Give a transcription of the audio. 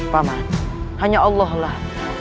pak man hanya allah lah